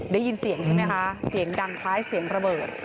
ได้ยินเสียงใช่ไหมคะเสียงดังคล้ายเสียงระเบิด